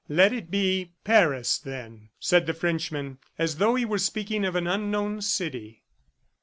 "Let it be Paris, then!" said the Frenchman, as though he were speaking of an unknown city.